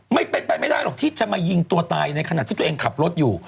ไม่เป็นไปไม่ได้หรอกที่จะมายิงตัวตายในขณะที่ตัวเองขับรถอยู่